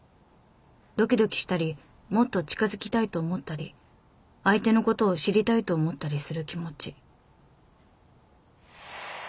どきどきしたりもっと近づきたいと思ったり相手のことを知りたいと思ったりする気持ち」